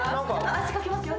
足かけますよ。